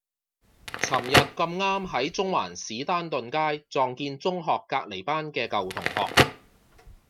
噚日咁啱喺中環士丹頓街撞見中學隔離班嘅舊同學